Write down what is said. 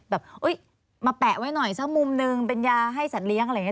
แบบมาแปะไว้หน่อยสักมุมนึงเป็นยาให้สัตว์เลี้ยงอะไรอย่างนี้